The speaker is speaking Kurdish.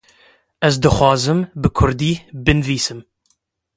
Ez dixwazim bi kurdî binivîsim.